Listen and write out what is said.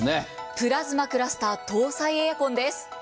プラズマクラスター搭載エアコンです。